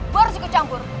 gue harus ikut campur